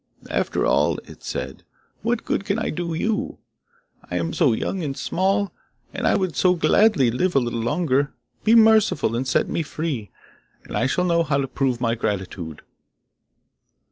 'After all,' it said, 'what good can I do you? I am so young and small, and I would so gladly live a little longer. Be merciful and set me free, and I shall know how to prove my gratitude.